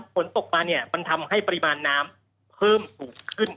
ฝนตกมาเนี่ยมันทำให้ปริมาณน้ำเพิ่มสูงขึ้น